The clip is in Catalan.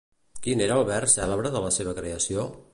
Quin era el vers cèlebre de la seva creació?